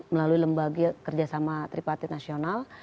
melalui lembaga kerjasama tripartit nasional